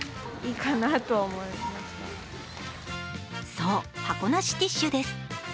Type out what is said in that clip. そう、箱なしティッシュです。